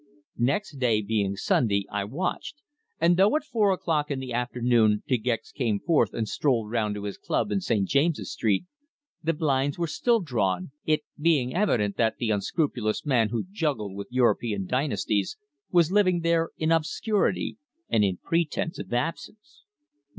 Next day being Sunday I watched, and though at four o'clock in the afternoon De Gex came forth and strolled round to his club in St. James's Street, the blinds were still drawn, it being evident that the unscrupulous man who juggled with European dynasties was living there in obscurity and in pretence of absence.